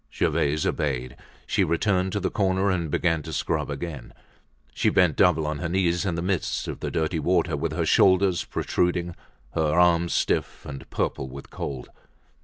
Gervaise obeyed. She returned to the corner and began to scrub again. She bent double on her knees in the midst of the dirty water, with her shoulders protruding, her arms stiff and purple with cold.